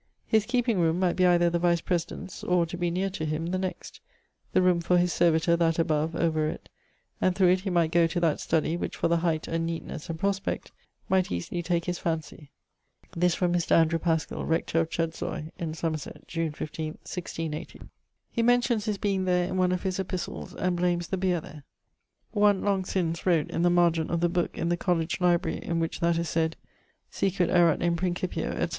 His keeping roome might be either the Vice President's, or, to be neer to him, the next; the room for his servitor that above, over it, and through it he might goe to that studie, which for the height, and neatnesse, and prospect, might easily take his phancy.' This from Mr. Andrew Paschal, Rector of Chedzoy in Somerset, June 15, 1680. He mentions his being there in one of his Epistles, and blames the beere there. One, long since, wrote, in the margent of the booke in College library in which that is sayd, 'Sicut erat in principio, etc.'